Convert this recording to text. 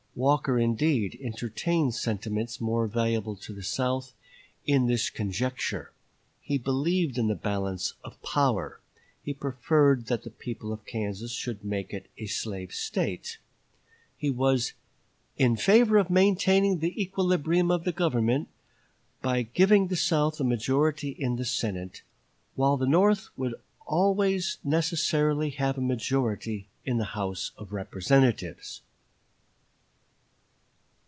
Walker, indeed, entertained sentiments more valuable to the South in this conjuncture. He believed in the balance of power; he preferred that the people of Kansas should make it a slave State; he was "in favor of maintaining the equilibrium of the Government by giving the South a majority in the Senate, while the North would always necessarily have a majority in the House of Representatives."